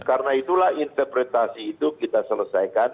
karena itulah interpretasi itu kita selesaikan